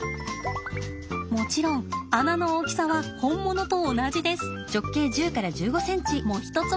もちろん穴の大きさは本物と同じです。もひとつ